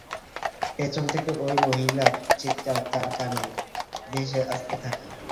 পেছন থেকে ঐ মহিলার চিৎকার তার কানে ভেসে আসতে থাকে।